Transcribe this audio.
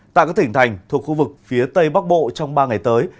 tại các tỉnh thành thuộc khu vực phía tây bắc bộ trong ba ngày tới